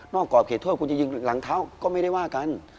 กรอบเขตโทษคุณจะยิงหลังเท้าก็ไม่ได้ว่ากัน